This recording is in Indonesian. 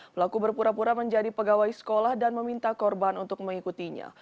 pelaku berpura pura menjadi pegawai sekolah dan meminta korban untuk mengikutinya